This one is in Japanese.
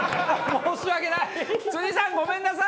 申し訳ない。